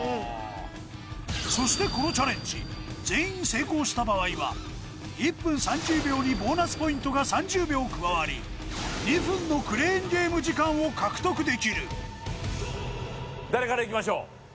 そしてこのチャレンジ全員成功した場合は１分３０秒にボーナスポイントが３０秒加わり２分のクレーンゲーム時間を獲得できる誰からいきましょう？